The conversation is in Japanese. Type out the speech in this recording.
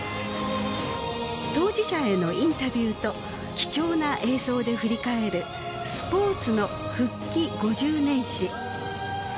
当事者へのインタビューと貴重な映像で振り返るスポーツの「復帰５０年史」。